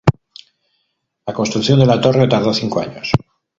La construcción de la torre tardó cinco años.